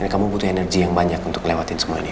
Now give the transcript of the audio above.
kamu butuh energi yang banyak untuk lewatin semua ini oke